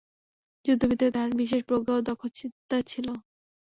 যুদ্ধবিদ্যায় তার বিশেষ প্রজ্ঞা ও দক্ষতা ছিল।